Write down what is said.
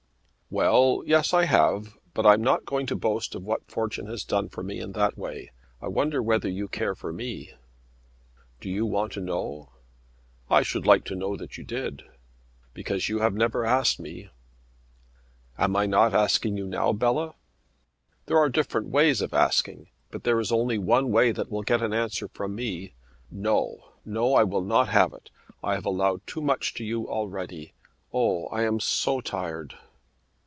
"Well; yes, I have; but I am not going to boast of what fortune has done for me in that way. I wonder whether you care for me?" "Do you want to know?" "I should like to know. You have never said that you did." "Because you have never asked me." "Am I not asking you now, Bella?" "There are different ways of asking, but there is only one way that will get an answer from me. No; no. I will not have it. I have allowed too much to you already. Oh, I am so tired."